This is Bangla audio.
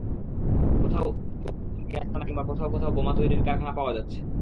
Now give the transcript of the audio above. কোথাও গোপন জঙ্গি আস্তানা কিংবা কোথাও কোথাও বোমা তৈরির কারখানা পাওয়া যাচ্ছে।